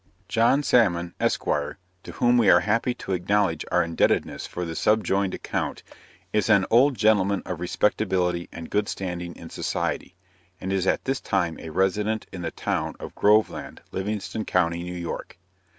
John Salmon, Esq. to whom we are happy to acknowledge our indebtedness for the subjoined account, is an old gentleman of respectability and good standing in society; and is at this time a resident in the town of Groveland, Livingston county, New York.